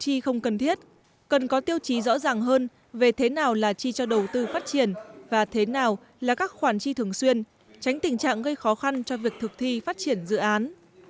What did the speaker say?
chi không cần thiết cần có tiêu chí rõ ràng hơn về thế nào là chi cho đầu tư phát triển và thế nào là các khoản chi thường xuyên tránh tình trạng gây khó khăn cho việc thực thi phát triển dự án